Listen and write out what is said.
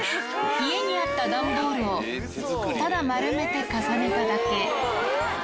家にあった段ボールをただ丸めて重ねただけ。